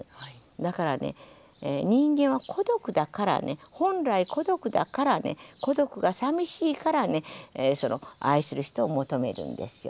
だからね人間は孤独だからね本来孤独だからね孤独が寂しいからね愛する人を求めるんですよ。